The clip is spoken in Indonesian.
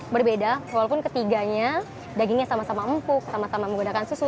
berbeda walaupun ketiganya dagingnya sama sama empuk sama sama menggunakan susu